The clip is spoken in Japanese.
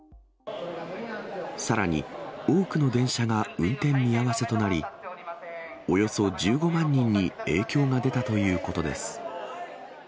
さらに、多くの電車が運転見合わせとなり、およそ１５万人に影響が出たということです。